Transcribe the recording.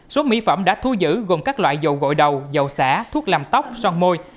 số mỹ phẩm đã thu giữ gồm các loại dầu gội đầu dầu xả thuốc làm tóc son môi